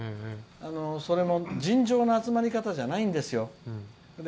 それも尋常な集まり方じゃないんですよ。